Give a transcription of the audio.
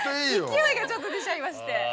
勢いがちょっと出ちゃいまして。